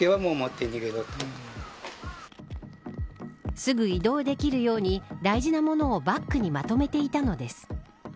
すぐ移動できるように大事なものをバッグにまとめていたのです。